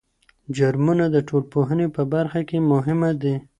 جرمونه د ټولنپوهني په برخه کې مهمه دي.